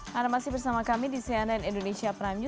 terbank luas audionya dalam chemo saat ini sih kemampuan yang benar